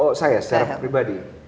oh saya secara pribadi